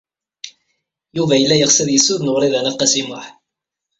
Yuba yella yeɣs ad yessuden Wrida n At Qasi Muḥ.